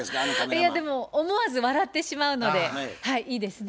いやでも思わず笑ってしまうのでいいですね